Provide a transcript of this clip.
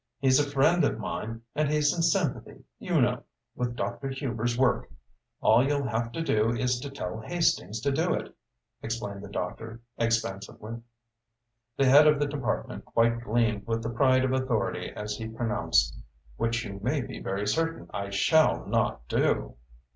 He's a friend of mine, and he's in sympathy, you know, with Dr. Hubers' work. All you'll have to do is to tell Hastings to do it," explained the doctor, expansively. The head of the department quite gleamed with the pride of authority as he pronounced: "Which you may be very certain I shall not do."